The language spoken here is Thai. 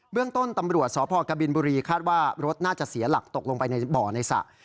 เรื่องต้นตำรวจสพกบินบุรีคาดว่ารถน่าจะเสียหลักตกลงไปในบ่อในสระ